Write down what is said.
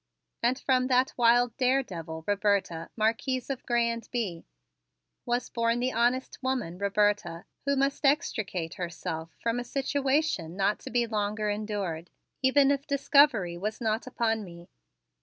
And from that wild daredevil, Roberta, Marquise of Grez and Bye, was born the honest woman Roberta who must extricate herself from a situation not to be longer endured, even if discovery was not upon me.